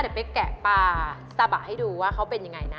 เดี๋ยวไปแกะปลาซาบะให้ดูว่าเขาเป็นยังไงนะ